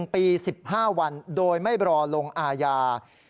๑ปี๑๕วันโดยไม่รอลงอาญา